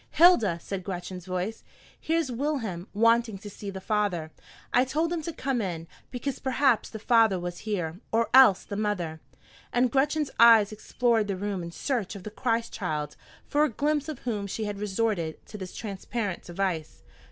"Hilda," said Gretchen's voice, "here's Wilhelm wanting to see the father. I told him to come in, because perhaps the father was here, or else the mother." And Gretchen's eyes explored the room in search of the Christ child, for a glimpse of whom she had resorted to this transparent device.